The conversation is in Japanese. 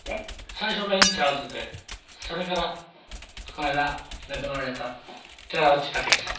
最初ベンチャーズでそれからこの間亡くなられた寺内タケシさん。